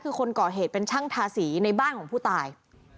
คือคนก่อเหตุเป็นช่างทาสีในบ้านของผู้ตาย